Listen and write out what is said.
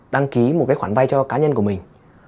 đăng ký một cái khoản vay cho cá nhân của mình